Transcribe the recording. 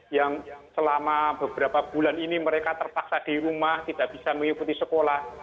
yang selama beberapa bulan ini mereka terpaksa di rumah tidak bisa mengikuti sekolah